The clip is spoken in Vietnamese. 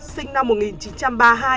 sinh năm một nghìn chín trăm ba mươi hai